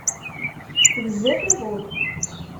Bezzaf iḍul.